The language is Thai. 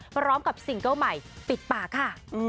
พร้อมกับซิงเกิ้ลใหม่ปิดปากค่ะ